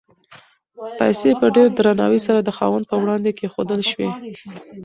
پیسې په ډېر درناوي سره د خاوند په وړاندې کېښودل شوې.